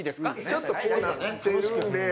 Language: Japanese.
ちょっとこうなってるんで。